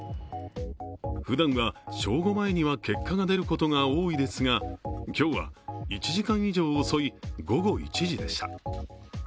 ふだんは正午前には結果が出ることが多いですが今日は、１時間以上遅い午後１時でした。